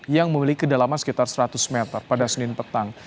yang memiliki kedalaman sekitar seratus meter pada senin petang